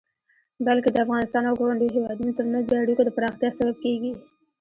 بلکې د افغانستان او ګاونډيو هيوادونو ترمنځ د اړيکو د پراختيا سبب کيږي.